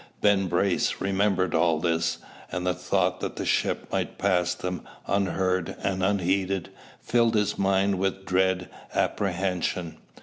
Ben Brace remembered all this; and the thought that the ship might pass them, unheard and unheeded, filled his mind with dread apprehension.